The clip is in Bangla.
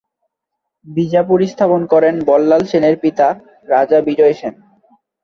বিজাপুর স্থাপন করেন বল্লাল সেনের পিতা রাজা বিজয় সেন।